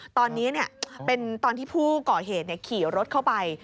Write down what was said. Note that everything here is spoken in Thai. ตอนนี้เป็นตอนที่ผู้ก่อเหตุขี่รถเข้าไป